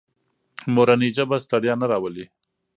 مورنۍ ژبه ستړیا نه راولي.